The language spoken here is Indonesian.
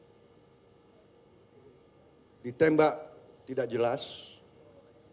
saya akan berjumpa dengan ibu saya